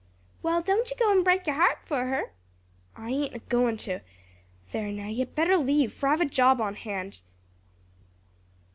"Well, don't you go and break your heart fur her." "I ain't a goin' to. There now, you'd better leave; fur I've a job on hand."